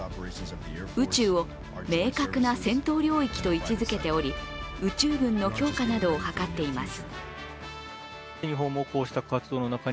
宇宙を明確な戦闘領域と位置づけており宇宙軍の強化などを図っています。